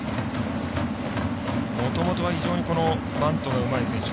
もともとは非常にバントがうまい選手。